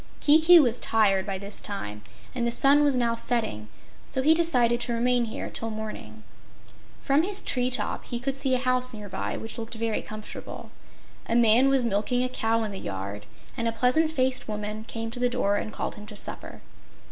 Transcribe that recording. Kiki was tired by this time, and the sun was now setting, so he decided to remain here till morning. From his tree top he could see a house near by, which looked very comfortable. A man was milking a cow in the yard and a pleasant faced woman came to the door and called him to supper.